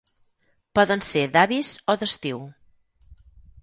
Poden ser d'avis o d'estiu.